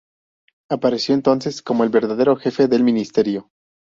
Apareció entonces como el verdadero jefe del ministerio.